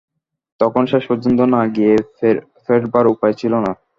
তখন শেষ পর্যন্ত না গিয়ে ফেরবার উপায় ছিল না।